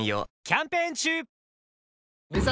キャンペーン中！